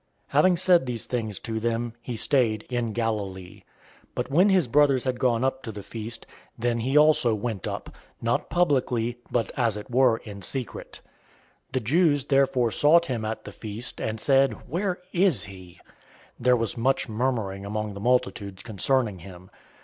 007:009 Having said these things to them, he stayed in Galilee. 007:010 But when his brothers had gone up to the feast, then he also went up, not publicly, but as it were in secret. 007:011 The Jews therefore sought him at the feast, and said, "Where is he?" 007:012 There was much murmuring among the multitudes concerning him.